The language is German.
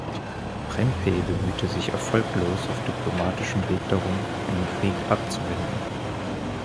Prempeh bemühte sich erfolglos auf diplomatischem Weg darum, einen Krieg abzuwenden.